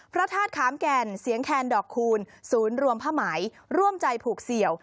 พระธาตุขามแก่นเสียงแคนดอกคูณศูนย์รวมผ้าไหมร่วมใจผูกเสี่ยว